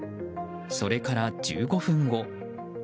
それから１５分後。